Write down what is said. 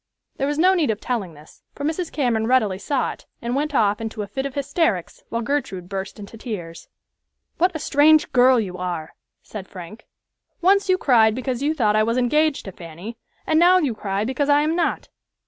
There was no need of telling this, for Mrs. Cameron readily saw it and went off into a fit of hysterics, while Gertrude burst into tears. "What a strange girl you are!" said Frank. "Once you cried because you thought I was engaged to Fanny, and now you cry because I am not."